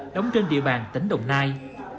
đóng trên địa bàn tỉnh đồng nai